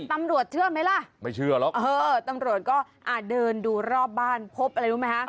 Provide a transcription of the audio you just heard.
ตำรวจเชื่อไหมล่ะไม่เชื่อหรอกเออตำรวจก็เดินดูรอบบ้านพบอะไรรู้ไหมคะ